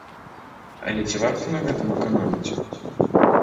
Але ці варта на гэтым эканоміць?